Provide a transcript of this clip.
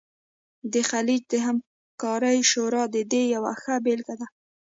د خلیج د همکارۍ شورا د دې یوه ښه بیلګه ده